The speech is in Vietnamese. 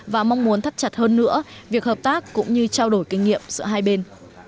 và mong muốn thắt chặt hơn nữa việc hợp tác cũng như trao đổi kinh nghiệm giữa hai bên